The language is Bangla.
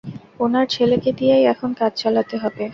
উনার ছেলেকে দিয়েই এখন কাজ চালাতে হবে।